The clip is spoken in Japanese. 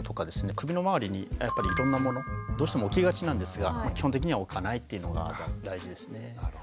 首の周りにやっぱりいろんなものどうしても置きがちなんですが基本的には置かないっていうのが大事ですね。